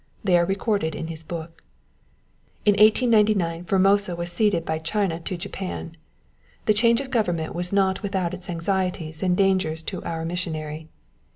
They are recorded in his book. In 1899 Formosa was ceded by China to Japan. The change of government was not without its anxieties and dangers to our missionary.